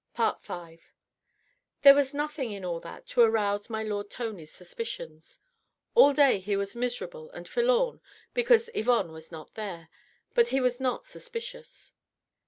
V There was nothing in all that to arouse my lord Tony's suspicions. All day he was miserable and forlorn because Yvonne was not there but he was not suspicious.